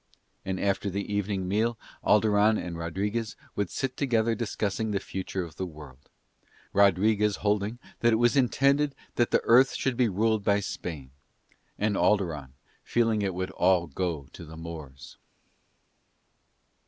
And after the evening meal Alderon and Rodriguez would sit late together discussing the future of the world, Rodriguez holding that it was intended that the earth should be ruled by Spain, and Alderon fearing it would all go to the Moors.